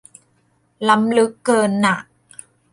ล้ำลึกเกินน่ะ